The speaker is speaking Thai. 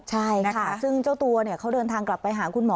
ใช่นะคะซึ่งเจ้าตัวเขาเดินทางกลับไปหาคุณหมอ